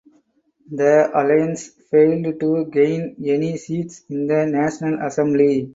The alliance failed to gain any seats in the National Assembly.